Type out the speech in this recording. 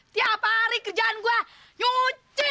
tiap hari kerjaan gue yoce